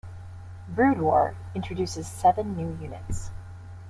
"Brood War" introduces seven new units.